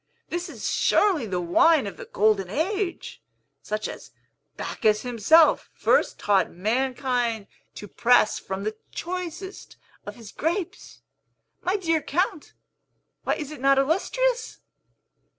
This is surely the wine of the Golden Age, such as Bacchus himself first taught mankind to press from the choicest of his grapes. My dear Count, why is it not illustrious?